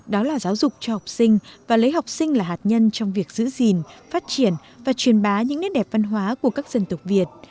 đó là giáo dục cho học sinh và lấy học sinh là hạt nhân trong việc giữ gìn phát triển và truyền bá những nét đẹp văn hóa của các dân tộc việt